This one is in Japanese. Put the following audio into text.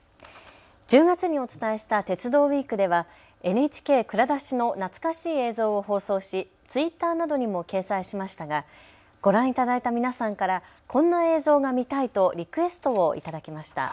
１０月にお伝えした鉄道ウイークではＮＨＫ蔵出しの懐かしい映像を放送しツイッターなどにも掲載しましたがご覧いただいた皆さんからこんな映像が見たいとリクエストをいただきました。